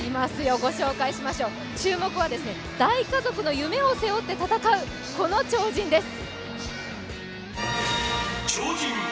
ご紹介しましょう、注目は大家族の夢を背負ってた戦うこの超人です。